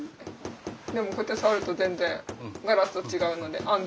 でもこうやって触ると全然ガラスと違うので安全。